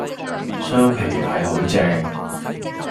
雙皮奶好正